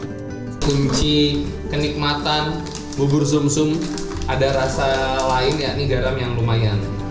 kunci kenikmatan bubur sum sum ada rasa lain yakni garam yang lumayan